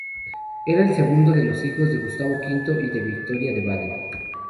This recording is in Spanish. Era el segundo de los hijos de Gustavo V y de Victoria de Baden.